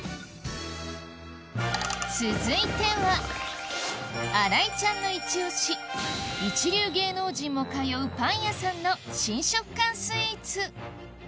続いては新井ちゃんのイチオシ一流芸能人も通うパン屋さんの新食感スイーツ